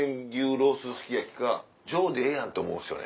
ロースすき焼きか上でええやんって思うんですよね。